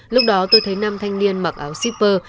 lúc đó tôi thấy năm thanh niên mặc áo shipper